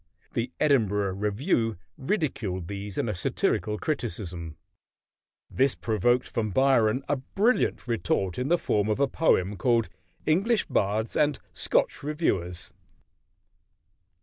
The Edinburgh Review ridiculed these in a satirical criticism. This provoked from Byron a brilliant retort in the form of a poem called "English Bards and Scotch Reviewers."